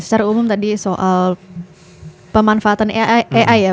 secara umum tadi soal pemanfaatan ai ya